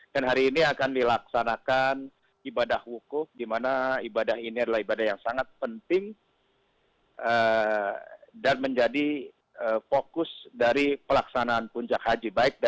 dan hari ini akan dilaksanakan ibadah wukuf di mana ibadah ini adalah ibadah yang sangat penting dan menjadi fokus dari pelaksanaan puncak haji